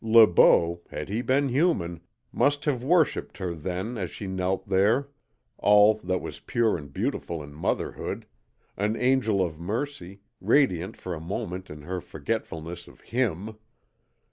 Le Beau, had he been human, must have worshipped her then as she knelt there, all that was pure and beautiful in motherhood, an angel of mercy, radiant for a moment in her forgetfulness of HIM.